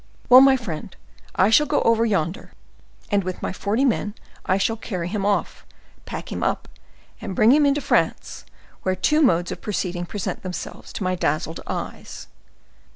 "Well, my friend, I shall go over yonder, and with my forty men I shall carry him off, pack him up, and bring him into France, where two modes of proceeding present themselves to my dazzled eyes."